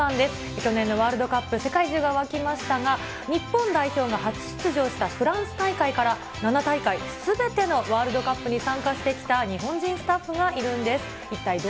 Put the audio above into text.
去年のワールドカップ、世界中が沸きましたが、日本代表が初出場したフランス大会から、７大会、すべてのワールドカップに参加してきた日本人スタッフがいるんです。